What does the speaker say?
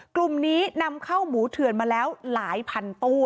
กลุ่มนี้นำเข้าหมูเถื่อนมาแล้วหลายพันตู้